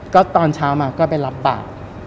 ก็ตอนเช้ามาก็ไปรับบาท